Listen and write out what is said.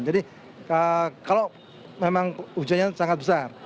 jadi kalau memang hujannya sangat besar